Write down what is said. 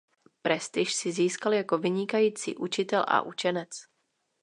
Prestiž si získal jako vynikající učitel a učenec.